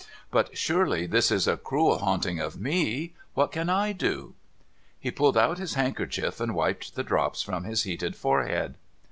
But surely this is a cruel haunting of me. What can / do ?' He pulled out his handkerchief, and wiped the drops from his heated forehead.